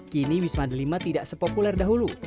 kini wisma delima tidak sepopuler dahulu